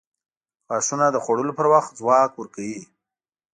• غاښونه د خوړلو پر وخت ځواک ورکوي.